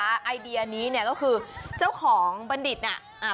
ไอเดียนี้เนี่ยก็คือเจ้าของบรรดิษฐ์เนี่ย